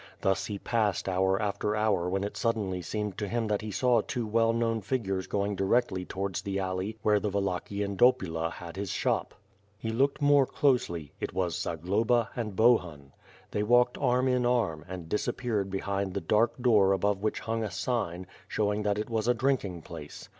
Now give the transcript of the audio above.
Thus he passed hour after hour when it suddenly seemed to him that he saw two well known figures going directly towards the alley where the Wallachian I>opula had his shop. He looked more closely; it was Zagloba and Bohun. They walked arm in arm, and disappeared behind the dark door above which hung a sign, showing that it was a drinking place.